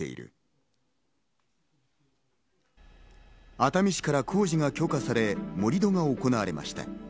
熱海市から工事が許可され、盛り土が行われました。